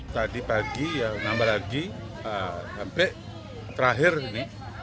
tadi pagi ya nambah lagi sampai terakhir ini